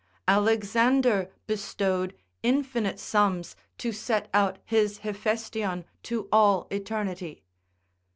Alexander bestowed infinite sums to set out his Hephestion to all eternity.